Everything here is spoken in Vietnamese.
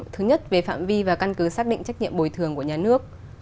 thứ nhất về phạm vi và căn cứ xác định trách nhiệm bồi thường của nhà nước